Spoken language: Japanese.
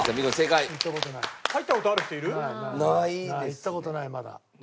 行った事ないまだ。